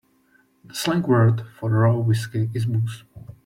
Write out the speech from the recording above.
The slang word for raw whiskey is booze.